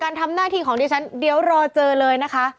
ทำหน้าที่ของดิฉันเดี๋ยวรอเจอเลยนะคะ